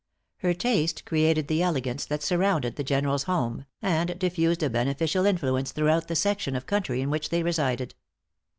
Her taste created the elegance that surrounded the General's home, and diffused a beneficial influence throughout the section of country in which they resided.